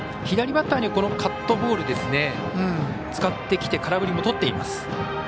左バッターにはこのカットボールを使ってきて空振りもとっています。